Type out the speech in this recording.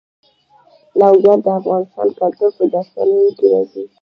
لوگر د افغان کلتور په داستانونو کې راځي.